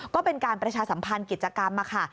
ก็เป็นการประชาสัมพันธ์กิจกรรมค่ะ